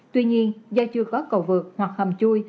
tuy nhiên do chưa có cầu vượt hoặc hầm chui